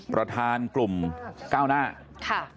ประธานกลุ่มก้าวหน้าค่ะ